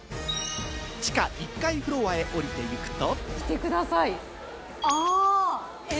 地下１階フロアへ下りていくと。